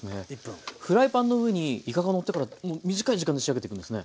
フライパンの上にいかがのってから短い時間で仕上げていくんですね。